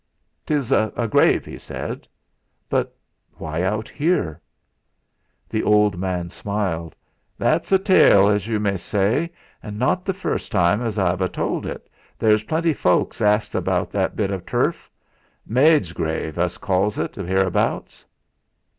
"'Tes a grave," he said. "But why out here?" The old man smiled. "That's a tale, as yu may say. An' not the first time as I've a told et there's plenty folks asks 'bout that bit o' turf. 'Maid's Grave' us calls et, 'ereabouts."